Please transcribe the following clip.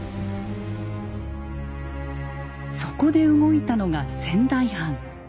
そこで動いたのが仙台藩。